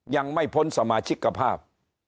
ยังไม่พ้นสมาชิกภาพ